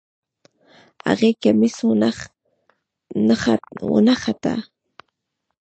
هغې کميس ونغښتۀ